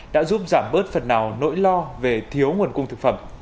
đã giúp giảm bớt phần nào nỗi lo về thiếu nguồn cung thực phẩm